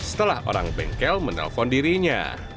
setelah orang bengkel menelpon dirinya